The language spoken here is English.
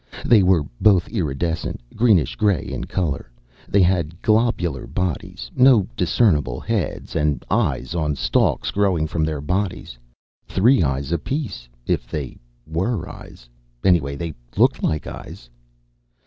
They were both iridescent greenish gray in color, they had globular bodies, no discernible heads and eyes on stalks growing from their bodies. Three eyes apiece. If they were eyes anyway, they looked like eyes.